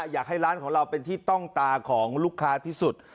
อยากให้ร้านของเราเป็นที่ต้องตาของลูกค้าที่สุด